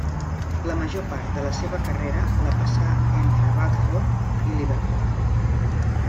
La major part de la seva carrera la passà entre Watford i Liverpool.